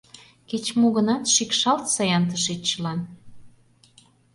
Кеч-мо гынат, шикшалтса-ян тышеч чылан...